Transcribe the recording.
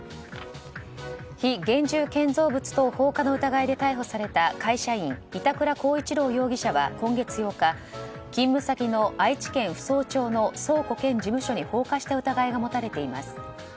非現住建造物等放火の疑いで逮捕された会社員、板倉功一郎容疑者は今月８日勤務先の愛知県扶桑町の倉庫兼事務所に放火した疑いが持たれています。